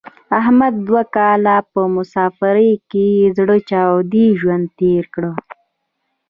احمد دوه کاله په مسافرۍ کې په زړه چاودې ژوند تېر کړ.